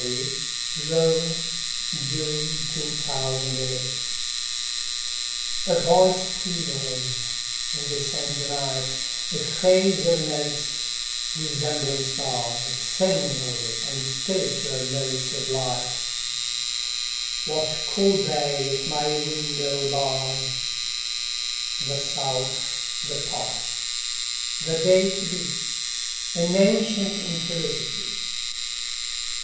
Alice Meynell1847–1922 A Thrush before Dawn A VOICE peals in this end of nightA phrase of notes resembling stars, Single and spiritual notes of light. What call they at my window bars? The South, the past, the day to be, An ancient infelicity.